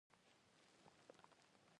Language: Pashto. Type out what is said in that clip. ښځه يې لږ لرې پر وچه ځمکه پرېيستله.